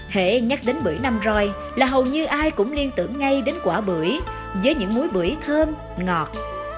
hệ nhắc đến bưởi năm roi là hầu như ai cũng liên tưởng ngay đến quả bưởi với những múi bưởi thơm ngọt